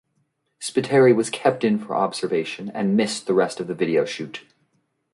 Spiteri was kept in for observation and missed the rest of the video shoot.